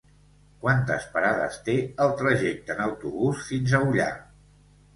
Quantes parades té el trajecte en autobús fins a Ullà?